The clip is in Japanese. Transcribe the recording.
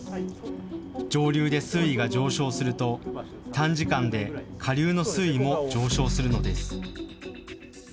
上流で水位が上昇すると短時間で下流の水位も上昇するのです。